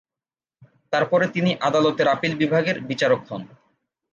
তারপরে তিনি আদালতের আপিল বিভাগের বিচারক হন।